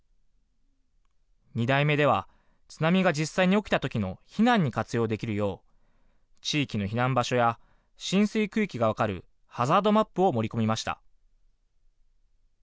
２代目では、津波が実際に起きたときの避難に活用できるよう、地域の避難場所や浸水区域が分かるハザードマップを盛り込みました。